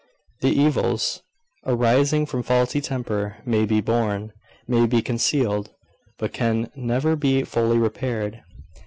The evils arising from faulty temper may be borne, may be concealed, but can never be fully repaired.